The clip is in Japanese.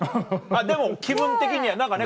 でも気分的には何かね